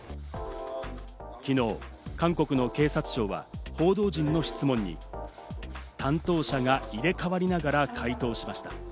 昨日、韓国の警察庁は報道陣の取材に、担当者が入れ替わりながら回答しました。